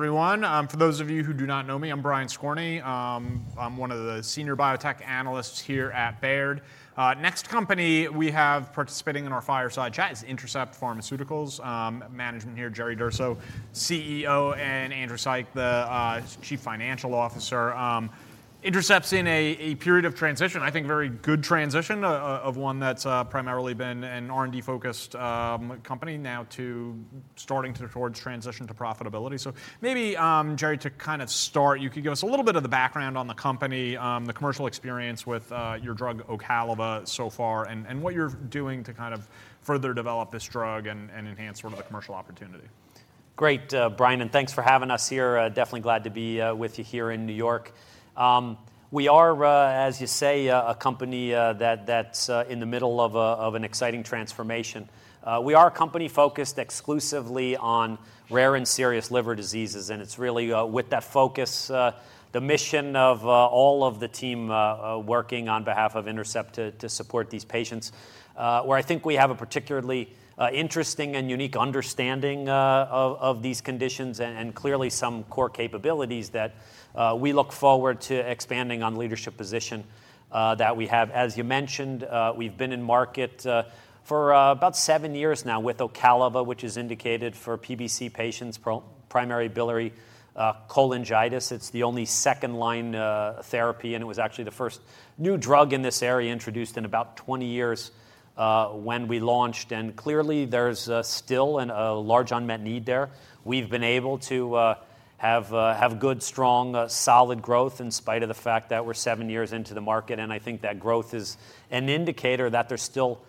Everyone, for those of you who do not know me, I'm Brian Skorney. I'm one of the senior biotech analysts here at Baird. Next company we have participating in our fireside chat is Intercept Pharmaceuticals. Management here, Jerry Durso, CEO, and Andrew Saik, the Chief Financial Officer. Intercept's in a period of transition, I think very good transition, of one that's primarily been an R&D-focused company now to starting to towards transition to profitability. So maybe, Jerry, to kind of start, you could give us a little bit of the background on the company, the commercial experience with your drug, Ocaliva, so far, and what you're doing to kind of further develop this drug and enhance sort of the commercial opportunity. Great, Brian, and thanks for having us here. Definitely glad to be with you here in New York. We are, as you say, a company that's in the middle of an exciting transformation. We are a company focused exclusively on rare and serious liver diseases, and it's really with that focus the mission of all of the team working on behalf of Intercept to support these patients. Where I think we have a particularly interesting and unique understanding of these conditions and clearly some core capabilities that we look forward to expanding on leadership position that we have. As you mentioned, we've been in market for about seven years now with Ocaliva, which is indicated for PBC patients with primary biliary cholangitis. It's the only second-line therapy, and it was actually the first new drug in this area introduced in about 20 years when we launched, and clearly, there's still a large unmet need there. We've been able to have good, strong, solid growth in spite of the fact that we're seven years into the market, and I think that growth is an indicator that there's still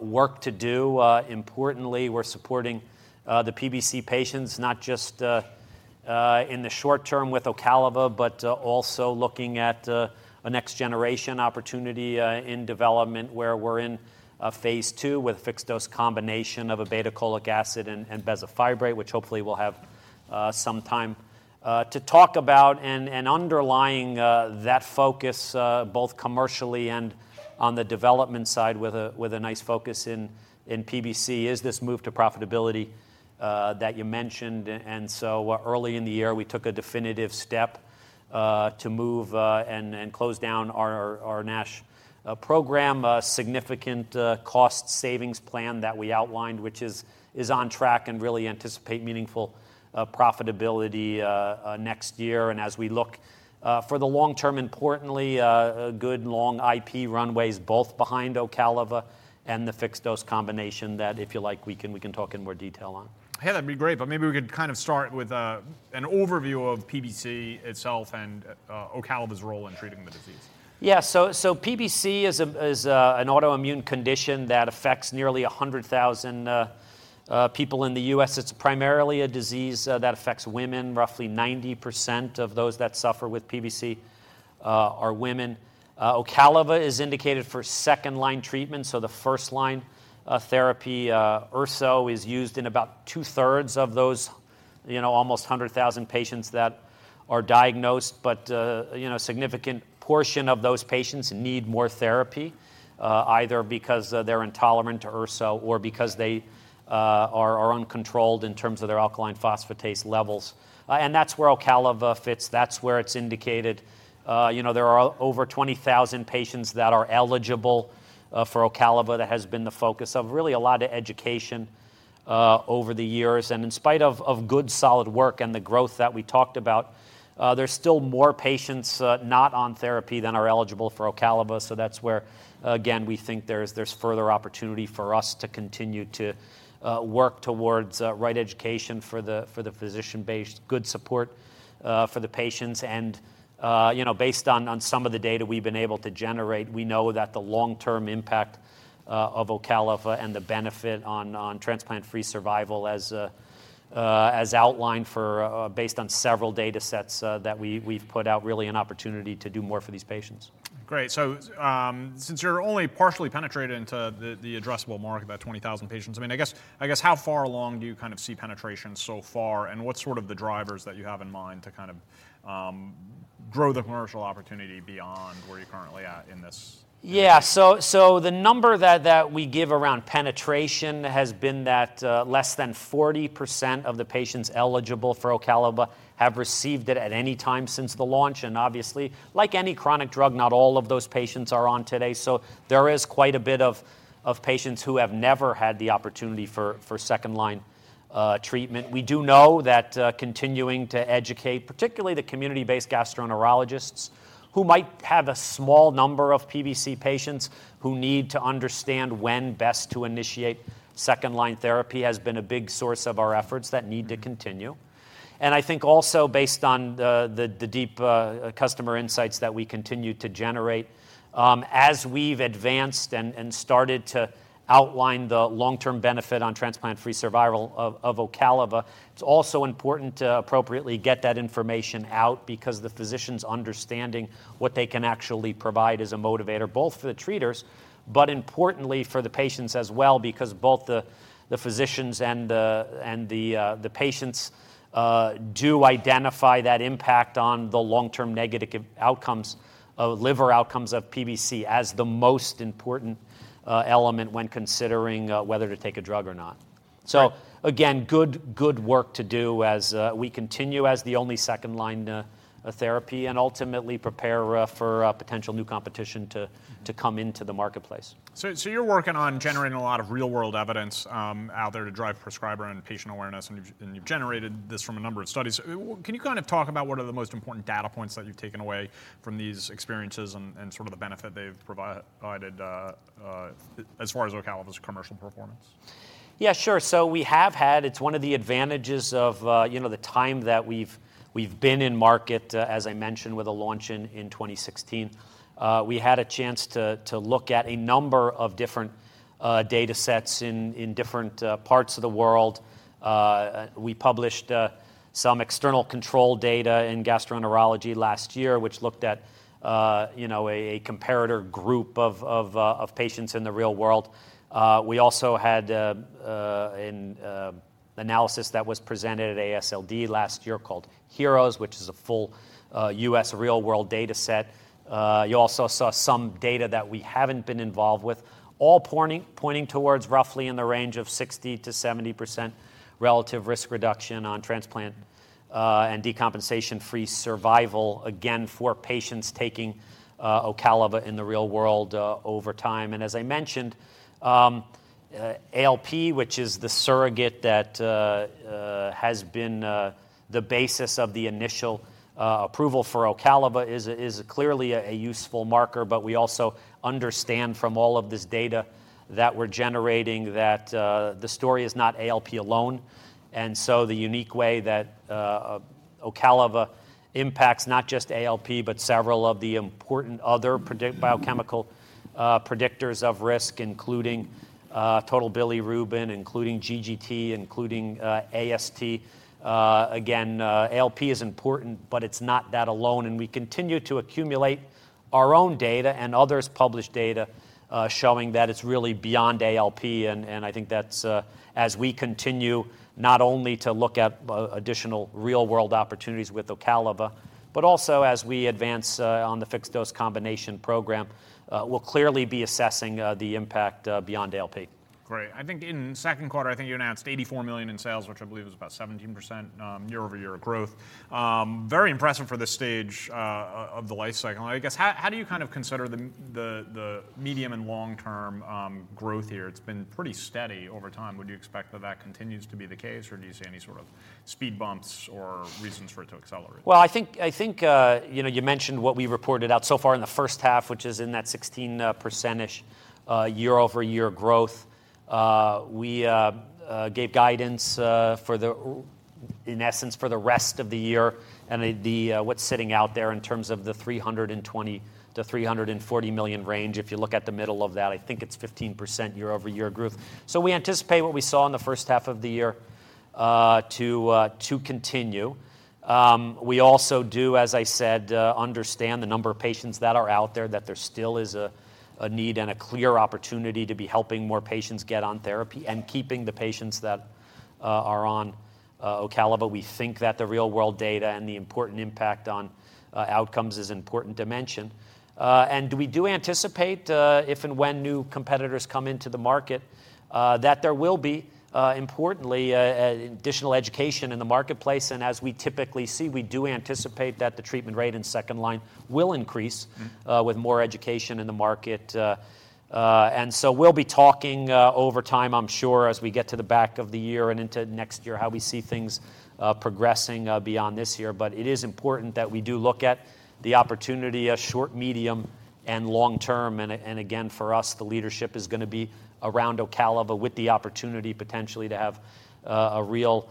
work to do. Importantly, we're supporting the PBC patients, not just in the short term with Ocaliva, but also looking at a next-generation opportunity in development, where we're in a phase II with a fixed-dose combination of obeticholic acid and bezafibrate, which hopefully we'll have some time to talk about. And underlying that focus, both commercially and on the development side with a nice focus in PBC, is this move to profitability that you mentioned. And so early in the year, we took a definitive step to move and close down our NASH program, a significant cost savings plan that we outlined, which is on track and really anticipate meaningful profitability next year. As we look for the long term, importantly, a good long IP runways, both behind Ocaliva and the fixed-dose combination, that if you like, we can talk in more detail on. Hey, that'd be great, but maybe we could kind of start with an overview of PBC itself and Ocaliva's role in treating the disease. Yeah, so PBC is an autoimmune condition that affects nearly 100,000 people in the U.S. It's primarily a disease that affects women. Roughly 90% of those that suffer with PBC are women. Ocaliva is indicated for second-line treatment, so the first line therapy, Urso, is used in about two-thirds of those, you know, almost 100,000 patients that are diagnosed. But you know, a significant portion of those patients need more therapy, either because they're intolerant to Urso or because they are uncontrolled in terms of their alkaline phosphatase levels. And that's where Ocaliva fits. That's where it's indicated. You know, there are over 20,000 patients that are eligible for Ocaliva. That has been the focus of really a lot of education over the years, and in spite of good, solid work and the growth that we talked about, there's still more patients not on therapy than are eligible for Ocaliva. So that's where, again, we think there's further opportunity for us to continue to work towards right education for the physician base, good support for the patients. And, you know, based on some of the data we've been able to generate, we know that the long-term impact of Ocaliva and the benefit on transplant-free survival as outlined, based on several datasets that we've put out, really an opportunity to do more for these patients. Great. So, since you're only partially penetrated into the addressable market, about 20,000 patients, I mean, I guess, I guess how far along do you kind of see penetration so far, and what's sort of the drivers that you have in mind to kind of grow the commercial opportunity beyond where you're currently at in this? Yeah. So the number that we give around penetration has been that less than 40% of the patients eligible for Ocaliva have received it at any time since the launch, and obviously, like any chronic drug, not all of those patients are on today. So there is quite a bit of patients who have never had the opportunity for second-line treatment. We do know that continuing to educate, particularly the community-based gastroenterologists, who might have a small number of PBC patients who need to understand when best to initiate second-line therapy, has been a big source of our efforts that need to continue. I think also based on the deep customer insights that we continue to generate, as we've advanced and started to outline the long-term benefit on transplant-free survival of Ocaliva, it's also important to appropriately get that information out because the physicians' understanding what they can actually provide is a motivator, both for the treaters, but importantly for the patients as well, because both the physicians and the patients do identify that impact on the long-term negative outcomes of liver outcomes of PBC as the most important element when considering whether to take a drug or not. So again, good work to do as we continue as the only second-line therapy, and ultimately prepare for a potential new competition to come into the marketplace. So you're working on generating a lot of real-world evidence out there to drive prescriber and patient awareness, and you've generated this from a number of studies. Can you kind of talk about what are the most important data points that you've taken away from these experiences and sort of the benefit they've provided as far as Ocaliva's commercial performance? Yeah, sure. So we have had. It's one of the advantages of, you know, the time that we've been in market, as I mentioned, with a launch in 2016. We had a chance to look at a number of different datasets in different parts of the world. We published some external control data in Gastroenterology last year, which looked at, you know, a comparator group of patients in the real world. We also had an analysis that was presented at AASLD last year called HEROES, which is a full US real-world dataset. You also saw some data that we haven't been involved with, all pointing towards roughly in the range of 60%-70% relative risk reduction on transplant and decompensation-free survival, again, for patients taking Ocaliva in the real world over time. And as I mentioned, ALP, which is the surrogate that has been the basis of the initial approval for Ocaliva, is clearly a useful marker. But we also understand from all of this data that we're generating that the story is not ALP alone. And so the unique way that Ocaliva impacts not just ALP, but several of the important other biochemical predictors of risk, including total bilirubin, including GGT, including AST. Again, ALP is important, but it's not that alone, and we continue to accumulate our own data and others' published data, showing that it's really beyond ALP. And, and I think that's... As we continue not only to look at additional real-world opportunities with Ocaliva, but also, as we advance on the fixed-dose combination program, we'll clearly be assessing the impact beyond ALP. Great. I think in the second quarter, I think you announced $84 million in sales, which I believe is about 17% year-over-year growth. Very impressive for this stage of the life cycle. I guess, how do you kind of consider the medium and long-term growth here? It's been pretty steady over time. Would you expect that that continues to be the case, or do you see any sort of speed bumps or reasons for it to accelerate? Well, I think, you know, you mentioned what we reported out so far in the first half, which is in that 16%-ish year-over-year growth. We gave guidance, in essence, for the rest of the year, and the what's sitting out there in terms of the $320 million-$340 million range. If you look at the middle of that, I think it's 15% year-over-year growth. So we anticipate what we saw in the first half of the year to continue. We also do, as I said, understand the number of patients that are out there, that there still is a need and a clear opportunity to be helping more patients get on therapy and keeping the patients that are on Ocaliva. We think that the real-world data and the important impact on outcomes is important to mention. And we do anticipate, if and when new competitors come into the market, that there will be, importantly, additional education in the marketplace. And as we typically see, we do anticipate that the treatment rate in second line will increase- Mm-hmm... with more education in the market. And so we'll be talking over time, I'm sure, as we get to the back of the year and into next year, how we see things progressing beyond this year. But it is important that we do look at the opportunity as short, medium, and long term. And again, for us, the leadership is gonna be around Ocaliva, with the opportunity potentially to have a real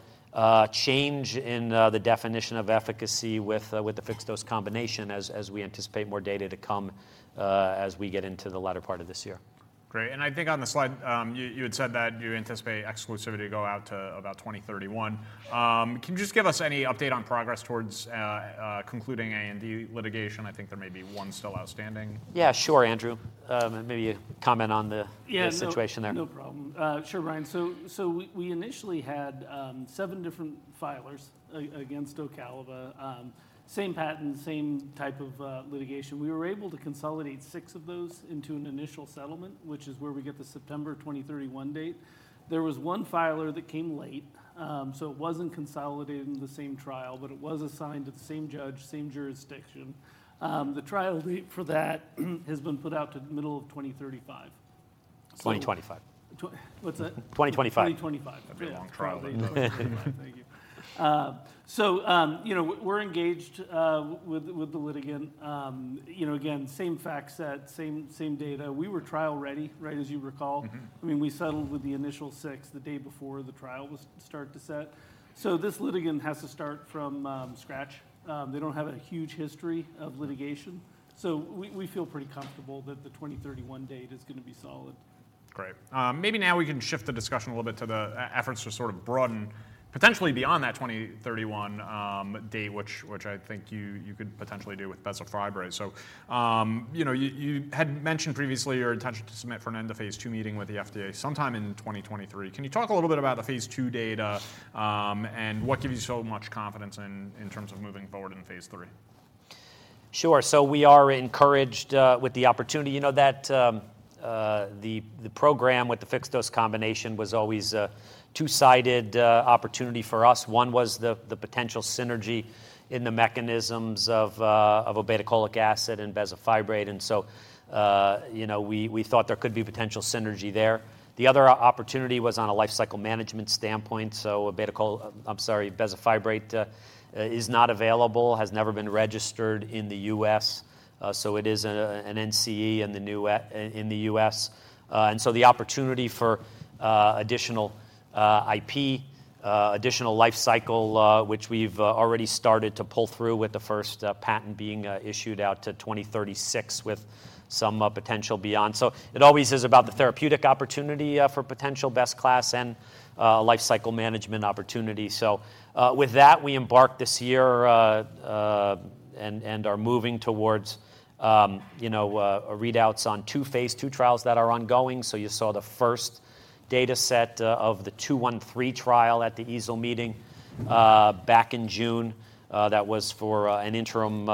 change in the definition of efficacy with the fixed-dose combination, as we anticipate more data to come, as we get into the latter part of this year. Great. And I think on the slide, you had said that you anticipate exclusivity to go out to about 2031. Can you just give us any update on progress towards concluding ANDA litigation? I think there may be one still outstanding. Yeah, sure, Andrew. And maybe you comment on the- Yeah... the situation there. No problem. Sure, Brian. So we initially had seven different filers against Ocaliva. Same patent, same type of litigation. We were able to consolidate six of those into an initial settlement, which is where we get the September 2031 date. There was one filer that came late, so it wasn't consolidated in the same trial, but it was assigned to the same judge, same jurisdiction. The trial date for that has been put out to the middle of 2035. So- 2025. What's that? 2025. 2025. That'll be a long trial. Thank you. So, you know, we're engaged with the litigant. You know, again, same fact set, same, same data. We were trial ready, right, as you recall. Mm-hmm. I mean, we settled with the initial 6, the day before the trial was start to set. So this litigant has to start from, scratch. They don't have a huge history of litigation, so we, we feel pretty comfortable that the 2031 date is gonna be solid. Great. Maybe now we can shift the discussion a little bit to the efforts to sort of broaden, potentially beyond that 2031 date, which I think you could potentially do with bezafibrate. So, you know, you had mentioned previously your intention to submit for an end-of-phase II meeting with the FDA sometime in 2023. Can you talk a little bit about the phase II data, and what gives you so much confidence in terms of moving forward in phase III?... Sure. So we are encouraged with the opportunity. You know, that, the program with the fixed-dose combination was always a two-sided opportunity for us. One was the potential synergy in the mechanisms of obeticholic acid and bezafibrate, and so, you know, we thought there could be potential synergy there. The other opportunity was on a lifecycle management standpoint. So obeticholic, I'm sorry, bezafibrate is not available, has never been registered in the U.S., so it is an NCE in the U.S. And so the opportunity for additional IP, additional lifecycle, which we've already started to pull through with the first patent being issued out to 2036, with some potential beyond. So it always is about the therapeutic opportunity for potential best-in-class and lifecycle management opportunity. So, with that, we embarked this year and are moving towards, you know, readouts on two phase II trials that are ongoing. So you saw the first data set of the 213 trial at the EASL meeting back in June. That was for an interim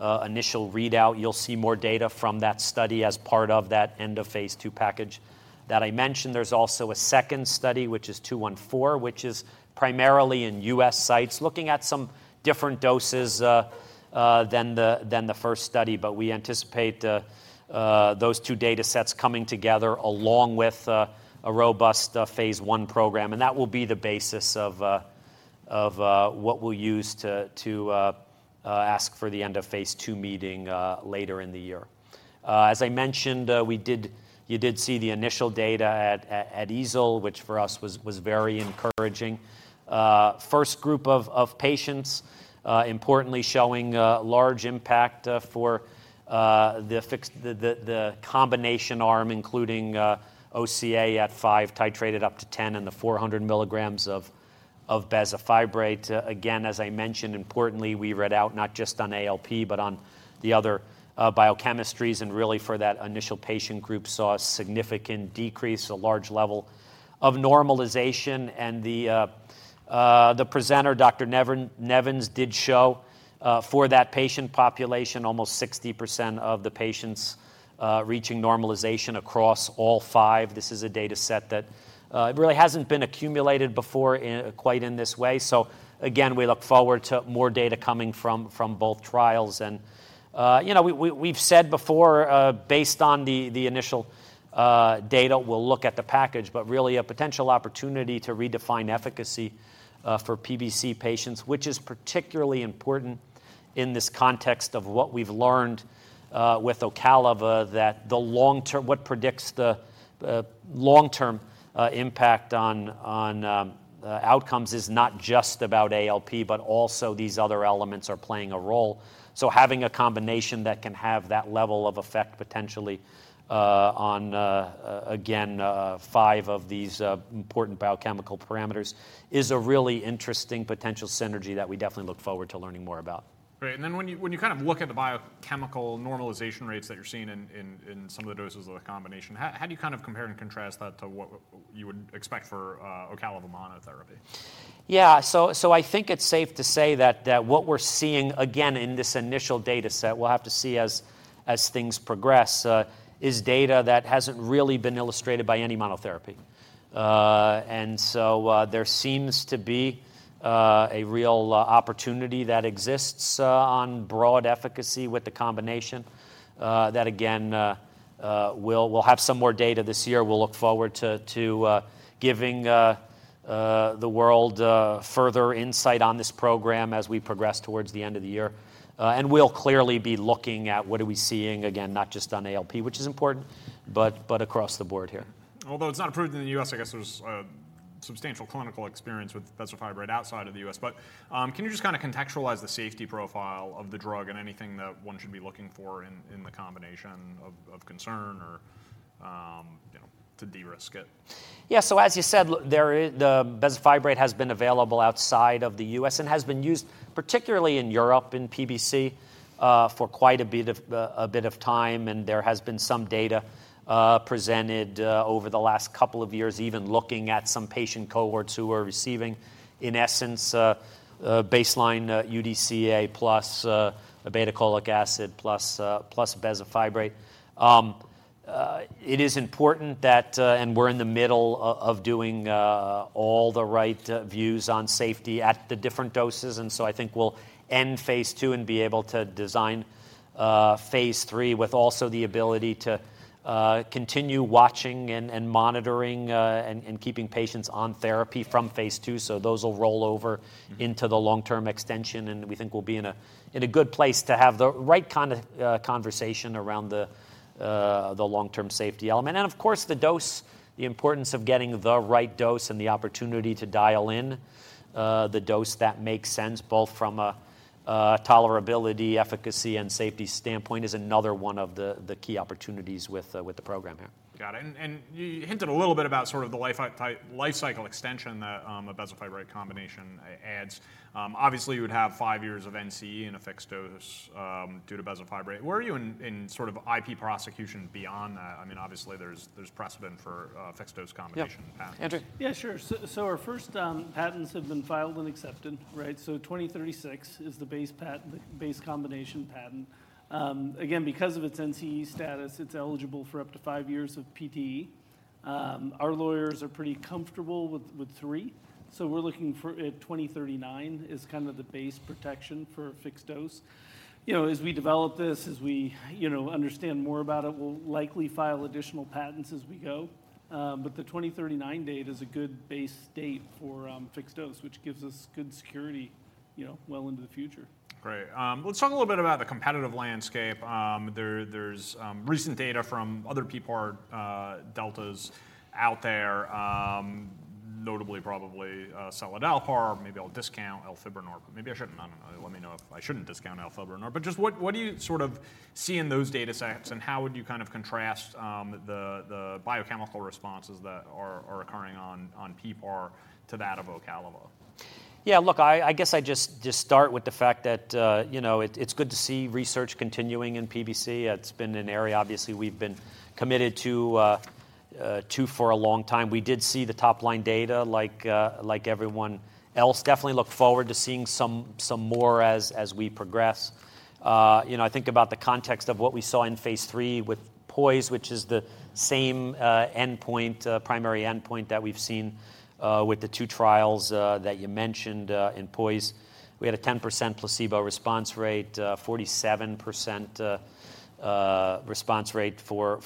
initial readout. You'll see more data from that study as part of that end of phase II package that I mentioned. There's also a second study, which is 214, which is primarily in U.S. sites, looking at some different doses than the first study. But we anticipate those two datasets coming together, along with a robust phase I program, and that will be the basis of what we'll use to ask for the end of phase II meeting later in the year. As I mentioned, you did see the initial data at EASL, which for us was very encouraging. First group of patients, importantly showing large impact for the fixed combination arm, including OCA at 5 mg, titrated up to 10 mg, and the 400 mg of bezafibrate. Again, as I mentioned, importantly, we read out not just on ALP, but on the other biochemistries, and really for that initial patient group, saw a significant decrease, a large level of normalization. And the presenter, Dr. Nevens, did show, for that patient population, almost 60% of the patients reaching normalization across all five. This is a dataset that really hasn't been accumulated before in quite this way. So again, we look forward to more data coming from both trials. And, you know, we've said before, based on the initial data, we'll look at the package, but really a potential opportunity to redefine efficacy for PBC patients, which is particularly important in this context of what we've learned with Ocaliva, that the long-term, what predicts the long-term impact on outcomes is not just about ALP, but also these other elements are playing a role. So having a combination that can have that level of effect potentially, on, again, five of these important biochemical parameters, is a really interesting potential synergy that we definitely look forward to learning more about. Great. And then when you kind of look at the biochemical normalization rates that you're seeing in some of the doses of the combination, how do you kind of compare and contrast that to what you would expect for Ocaliva monotherapy? Yeah. So I think it's safe to say that what we're seeing, again, in this initial dataset, we'll have to see as things progress, is data that hasn't really been illustrated by any monotherapy. And so a real opportunity that exists on broad efficacy with the combination. That again we'll have some more data this year. We'll look forward to giving the world further insight on this program as we progress towards the end of the year. And we'll clearly be looking at what are we seeing, again, not just on ALP, which is important, but across the board here. Although it's not approved in the U.S., I guess there's substantial clinical experience with bezafibrate outside of the U.S. But, can you just kind of contextualize the safety profile of the drug and anything that one should be looking for in the combination of concern or, you know, to de-risk it? Yeah. So as you said, there is the bezafibrate has been available outside of the U.S. and has been used, particularly in Europe, in PBC, for quite a bit of a bit of time, and there has been some data presented over the last couple of years, even looking at some patient cohorts who are receiving, in essence, baseline UDCA plus obeticholic acid plus bezafibrate. It is important that... And we're in the middle of doing all the right reviews on safety at the different doses, and so I think we'll end phase II and be able to design phase III, with also the ability to continue watching and monitoring and keeping patients on therapy from phase II. So those will roll over- Mm-hmm. -into the long-term extension, and we think we'll be in a good place to have the right kind of conversation around the long-term safety element. And of course, the dose, the importance of getting the right dose and the opportunity to dial in the dose that makes sense, both from a tolerability, efficacy, and safety standpoint, is another one of the key opportunities with the program here. Got it. And you hinted a little bit about sort of the lifecycle extension that the bezafibrate combination adds. Obviously, you would have five years of NCE in a fixed dose due to bezafibrate. Where are you in sort of IP prosecution beyond that? I mean, obviously, there's precedent for a fixed-dose combination path. Yep. Andrew? Yeah, sure. So our first patents have been filed and accepted, right? So 2036 is the base combination patent. Again, because of its NCE status, it's eligible for up to 5 years of PTE.... Our lawyers are pretty comfortable with three, so we're looking for 2039 as kind of the base protection for fixed dose. You know, as we develop this, as we, you know, understand more about it, we'll likely file additional patents as we go. But the 2039 date is a good base date for fixed dose, which gives us good security, you know, well into the future. Great. Let's talk a little bit about the competitive landscape. There's recent data from other PPAR deltas out there, notably probably seladelpar. Maybe I'll discount elafibranor, but maybe I shouldn't. I don't know. Let me know if I shouldn't discount elafibranor. But just what do you sort of see in those data sets, and how would you kind of contrast the biochemical responses that are occurring on PPAR to that of Ocaliva? Yeah, look, I guess I'd just start with the fact that, you know, it's good to see research continuing in PBC. It's been an area, obviously, we've been committed to for a long time. We did see the top-line data like everyone else. Definitely look forward to seeing some more as we progress. You know, I think about the context of what we saw in phase III with POISE, which is the same endpoint, primary endpoint that we've seen with the two trials that you mentioned. In POISE, we had a 10% placebo response rate, 47% response rate for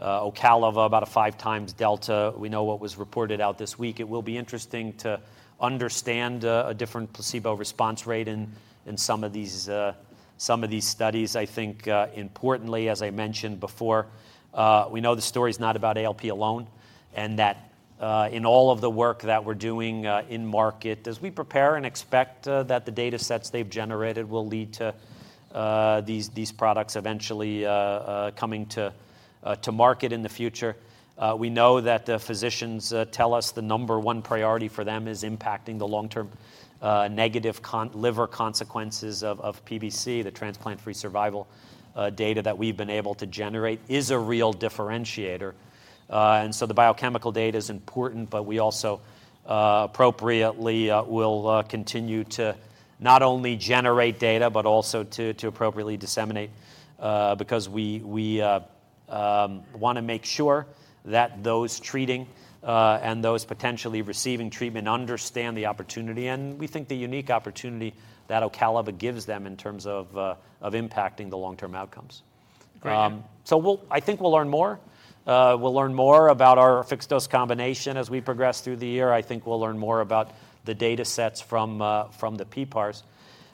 Ocaliva, about a five times delta. We know what was reported out this week. It will be interesting to understand a different placebo response rate in some of these studies. I think, importantly, as I mentioned before, we know the story is not about ALP alone, and that in all of the work that we're doing in market, as we prepare and expect that the data sets they've generated will lead to these products eventually coming to market in the future. We know that the physicians tell us the number one priority for them is impacting the long-term negative liver consequences of PBC. The transplant-free survival data that we've been able to generate is a real differentiator. And so the biochemical data is important, but we also appropriately will continue to not only generate data but also to appropriately disseminate. Because we wanna make sure that those treating and those potentially receiving treatment understand the opportunity, and we think the unique opportunity that Ocaliva gives them in terms of impacting the long-term outcomes. Great. So we'll learn more. I think we'll learn more about our fixed dose combination as we progress through the year. I think we'll learn more about the data sets from the PPARs.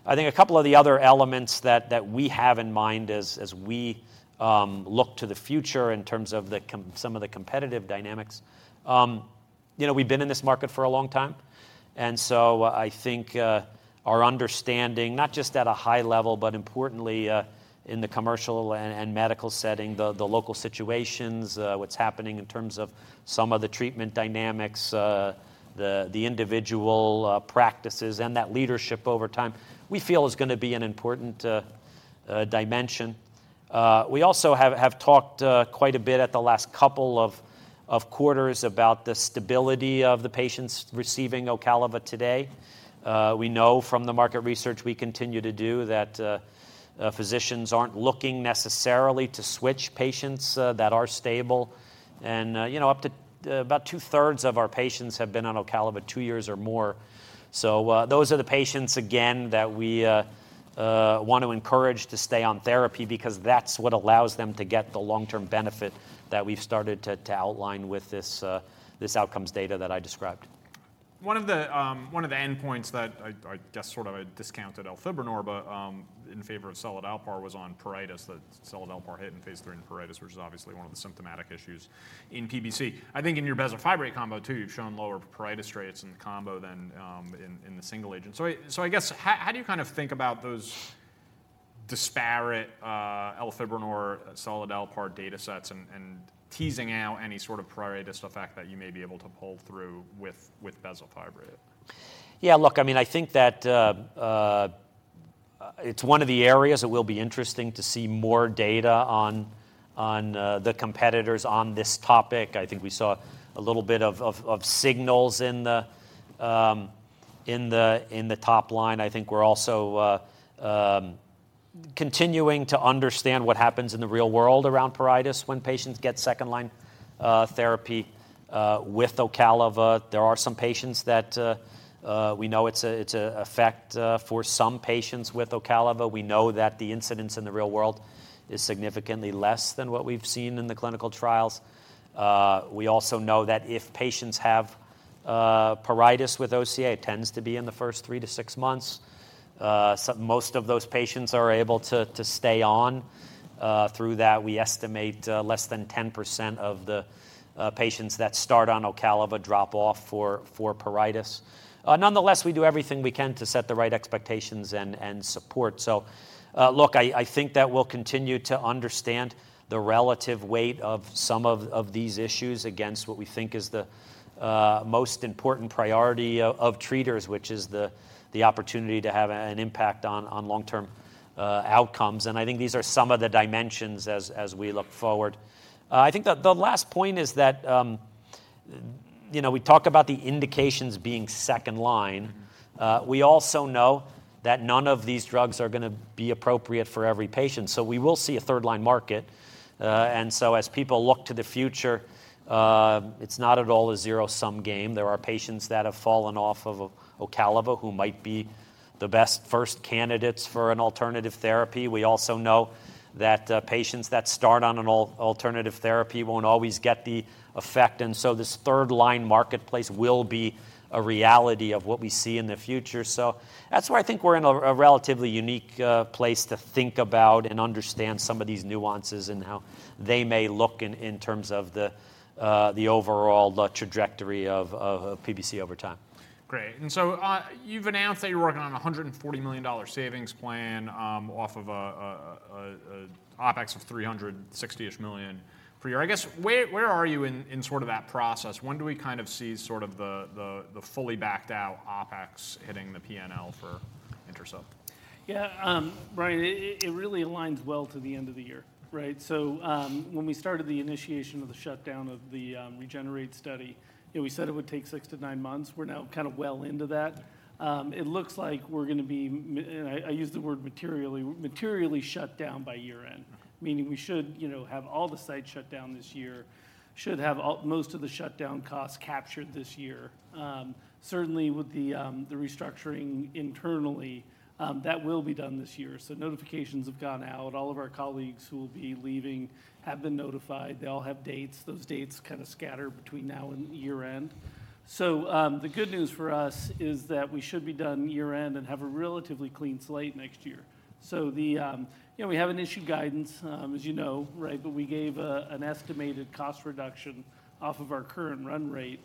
I think a couple of the other elements that we have in mind as we look to the future in terms of the competitive dynamics. You know, we've been in this market for a long time, and so I think our understanding, not just at a high level, but importantly, in the commercial and medical setting, the local situations, what's happening in terms of some of the treatment dynamics, the individual practices and that leadership over time, we feel is gonna be an important dimension. We also have talked quite a bit at the last couple of quarters about the stability of the patients receiving Ocaliva today. We know from the market research we continue to do that physicians aren't looking necessarily to switch patients that are stable. And you know, up to about two-thirds of our patients have been on Ocaliva two years or more. So those are the patients, again, that we want to encourage to stay on therapy because that's what allows them to get the long-term benefit that we've started to outline with this outcomes data that I described. One of the, one of the endpoints that I, I guess, sort of, I discounted elafibranor, but, in favor of seladelpar was on pruritus, that seladelpar hit in phase III in pruritus, which is obviously one of the symptomatic issues in PBC. I think in your bezafibrate combo, too, you've shown lower pruritus rates in combo than in the single agent. So I guess how do you kind of think about those disparate elafibranor, seladelpar data sets and teasing out any sort of pruritus effect that you may be able to pull through with bezafibrate? Yeah, look, I mean, I think that it's one of the areas that will be interesting to see more data on the competitors on this topic. I think we saw a little bit of signals in the top line. I think we're also continuing to understand what happens in the real world around pruritus when patients get second-line therapy with Ocaliva. There are some patients that... We know it's an effect for some patients with Ocaliva. We know that the incidence in the real world is significantly less than what we've seen in the clinical trials. We also know that if patients have pruritus with OCA, it tends to be in the first three to six months. So most of those patients are able to stay on. Through that, we estimate less than 10% of the patients that start on Ocaliva drop off for pruritus. Nonetheless, we do everything we can to set the right expectations and support. So, look, I think that we'll continue to understand the relative weight of some of these issues against what we think is the most important priority of treaters, which is the opportunity to have an impact on long-term outcomes. And I think these are some of the dimensions as we look forward. I think the last point is that, you know, we talked about the indications being second line. We also know that none of these drugs are going to be appropriate for every patient, so we will see a third-line market. And so as people look to the future, it's not at all a zero-sum game. There are patients that have fallen off of Ocaliva, who might be the best first candidates for an alternative therapy. We also know that patients that start on an alternative therapy won't always get the effect, and so this third-line marketplace will be a reality of what we see in the future. So that's why I think we're in a relatively unique place to think about and understand some of these nuances and how they may look in terms of the overall trajectory of PBC over time. Great. So, you've announced that you're working on a $140 million savings plan, off of a OpEx of $360-ish million per year. I guess, where are you in sort of that process? When do we kind of see sort of the fully backed out OpEx hitting the P&L for Intercept? Yeah, Brian, it really aligns well to the end of the year, right? So, when we started the initiation of the shutdown of the REGENERATE study, and we said it would take 6-9 months, we're now kind of well into that. It looks like we're gonna be materially shut down by year-end, and I use the word materially, meaning we should, you know, have all the sites shut down this year. Should have almost all of the shutdown costs captured this year. Certainly, with the restructuring internally, that will be done this year. Notifications have gone out. All of our colleagues who will be leaving have been notified. They all have dates. Those dates kind of scattered between now and year-end. So, the good news for us is that we should be done year-end and have a relatively clean slate next year. So, you know, we haven't issued guidance, as you know, right? But we gave an estimated cost reduction off of our current run rate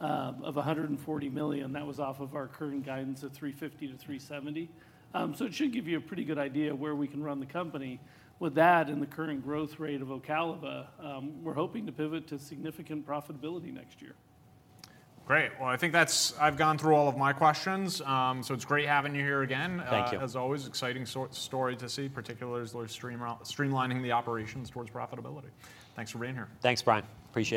of $140 million. That was off of our current guidance of $350 million-$370 million. So it should give you a pretty good idea where we can run the company. With that and the current growth rate of Ocaliva, we're hoping to pivot to significant profitability next year. Great! Well, I think that's it. I've gone through all of my questions. So, it's great having you here again. Thank you. As always, exciting story to see, particularly as we're streamlining the operations towards profitability. Thanks for being here. Thanks, Brian. Appreciate it.